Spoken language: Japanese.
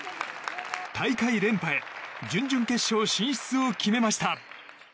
大会連覇へ準々決勝進出を決めました。